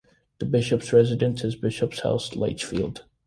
The Bishop's residence is Bishop's House, Lichfield.